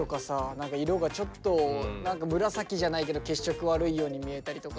何か色がちょっと何か紫じゃないけど血色悪いように見えたりとかさ。